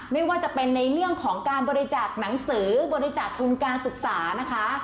ไม่ว่าจะเป็นในเรื่องของการบริจาคหนังสือบริจาคทุนการศึกษานะคะ